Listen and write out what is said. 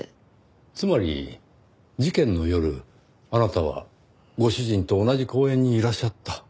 つまり事件の夜あなたはご主人と同じ公園にいらっしゃった。